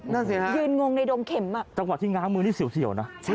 นั่นสิฮะยืนงงในดงเข็มอ่ะจังหวะที่ง้างมือนี่เสี่ยวนะ